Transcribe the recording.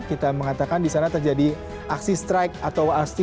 kita mengatakan di sana terjadi aksi strike atau aksi